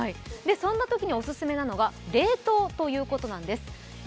そんなときにお勧めなのが冷凍ということなんです。